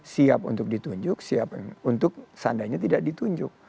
siap untuk ditunjuk siap untuk seandainya tidak ditunjuk